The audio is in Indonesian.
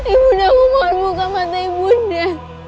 ibu nda aku mohon buka mata ibu nda